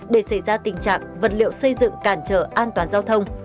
để xảy ra tình trạng vật liệu xây dựng cản trở an toàn giao thông